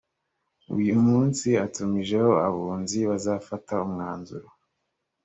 uyu munsi atumijeho abunzi bazafata umwanzuro